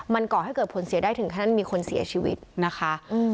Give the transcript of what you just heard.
มันก่อให้เกิดผลเสียได้ถึงขั้นมีคนเสียชีวิตนะคะ